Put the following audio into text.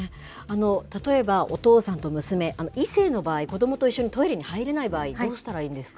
例えば、お父さんと娘、異性の場合、子どもと一緒にトイレに入れない場合、どうしたらいいんですか。